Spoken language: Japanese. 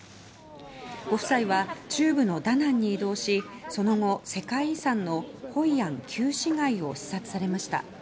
ご夫妻は中部のダナンに移動しその後世界遺産のホイアン旧市街を視察されました。